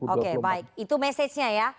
oke baik itu message nya ya